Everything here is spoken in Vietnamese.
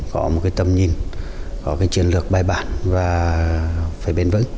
có một cái tầm nhìn có cái chiến lược bài bản và phải bền vững